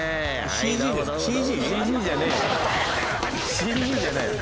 「ＣＧじゃない」